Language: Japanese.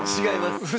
違います。